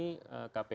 kpud sudah mewajibkan